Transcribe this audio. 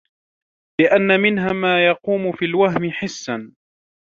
لِأَنَّ مِنْهَا مَا يَقُومُ فِي الْوَهْمِ حِسًّا